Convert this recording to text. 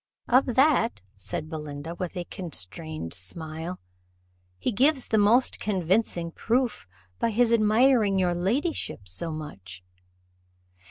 "Of that," said Belinda, with a constrained smile, "he gives the most convincing proof, by his admiring your ladyship so much."